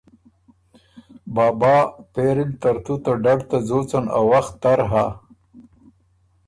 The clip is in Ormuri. ”بابا پېری ل ترتُو ته ډډ ته ځوڅن ا وخت تر هۀ“